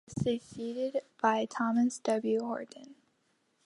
He was succeeded by Thomas W. Horton.